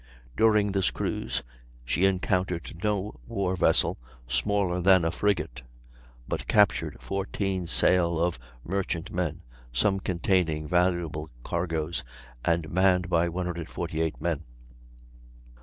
During this cruise she encountered no war vessel smaller than a frigate; but captured 14 sail of merchant men, some containing valuable cargoes, and manned by 148 men.